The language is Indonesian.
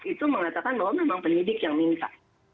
itu mengatakan bahwa memang penyidik yang minta